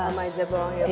sama aja bang ya